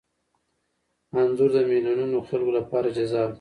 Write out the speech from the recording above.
انځور د میلیونونو خلکو لپاره جذاب دی.